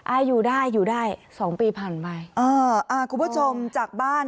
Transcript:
อ่าอยู่ได้อยู่ได้สองปีผ่านไปเอออ่าคุณผู้ชมจากบ้าน